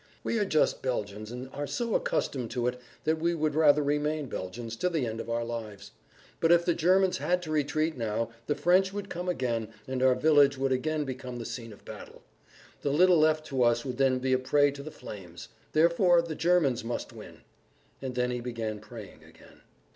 We are just Belgians and are so accustomed to it that we would rather remain Belgians to the end of our lives. But if the Germans had to retreat now, the French would come again and our village would again become the scene of battle. The little left to us would then be a prey to the flames. Therefore the Germans must win." And then he began praying again.